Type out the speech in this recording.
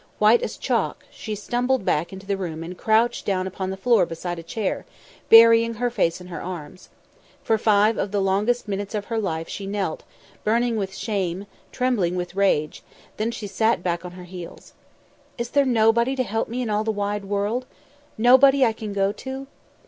White as chalk, she stumbled back into the room and crouched down upon the floor beside a chair, burying her face in her arms. For five of the longest minutes of her life she knelt, burning with shame, trembling with rage; then she sat hack on her heels. "Is there nobody to help me in all the wide world? Nobody I can go to?"